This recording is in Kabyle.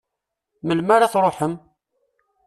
Melmi ara d-truḥem?